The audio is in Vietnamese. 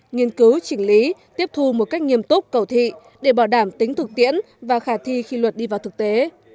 nghiên cứu chỉnh lý tiếp thu một cách nghiêm túc cầu thị để bảo đảm tính thực tiễn và khả thi khi luật đi vào thực tế